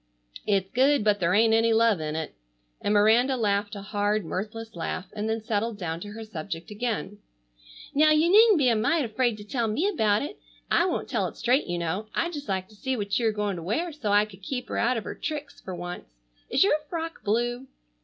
It's good, but there ain't any love in it." And Miranda laughed a hard mirthless laugh, and then settled down to her subject again. "Now, you needn't be a mite afraid to tell me about it. I won't tell it straight, you know. I'd just like to see what you are going to wear so I could keep her out of her tricks for once. Is your frock blue?"